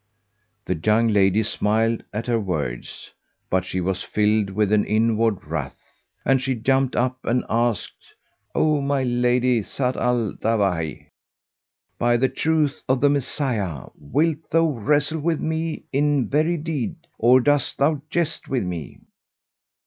The young lady smiled at her words, but she was filled with inward wrath, and she jumped up and asked, "O my lady Zat al Dawahi,[FN#163] by the truth of the Messiah, wilt thou wrestle with me in very deed, or dost thou jest with me?"